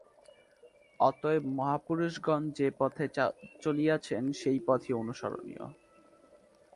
অতএব মহাপুরুষগণ যে পথে চলিয়াছেন, সেই পথই অনুসরণীয়।